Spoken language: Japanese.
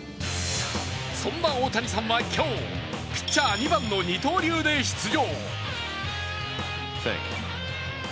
そんな大谷さんは今日、ピッチャー２番の二刀流で出場。